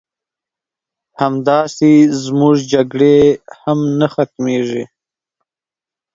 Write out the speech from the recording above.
همداسې زمونږ جګړې هم نه ختميږي